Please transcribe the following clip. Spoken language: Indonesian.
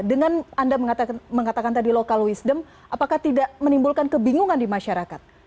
dengan anda mengatakan tadi local wisdom apakah tidak menimbulkan kebingungan di masyarakat